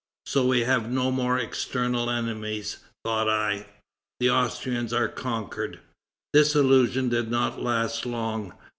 So we have no more external enemies, thought I; the Austrians are conquered. This illusion did not last long.